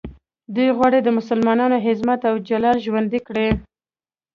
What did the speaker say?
دوی غواړي د مسلمانانو عظمت او جلال ژوندی کړي.